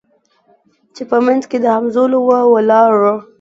چي په منځ کي د همزولو وه ولاړه